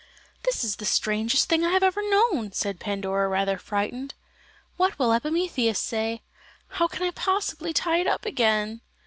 "This is the strangest thing I have ever known," said Pandora, rather frightened, "What will Epimetheus say? How can I possibly tie it up again?"